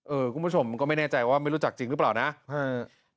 คุณผู้ชมก็ไม่แน่ใจว่าไม่รู้จักจริงหรือเปล่านะเออ